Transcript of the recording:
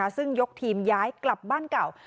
ซึ่งยกทีมย้ายกลับบ้านเก่า